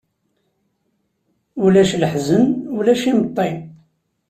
Ulac leḥzen, ulac imeṭṭi.